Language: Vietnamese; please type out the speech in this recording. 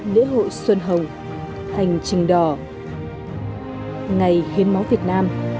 lễ hội xuân hồng hành trình đỏ ngày hiến máu việt nam